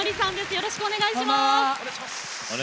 よろしくお願いします。